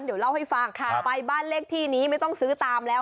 เดี๋ยวเล่าให้ฟังไปบ้านเลขที่นี้ไม่ต้องซื้อตามแล้ว